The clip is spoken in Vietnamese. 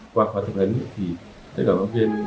qua khoa thực hấn thì tất cả bác viên